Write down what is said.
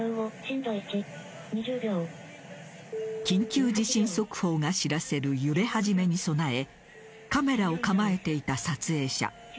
緊急地震速報が知らせる揺れ始めに備えカメラを構えていた撮影者。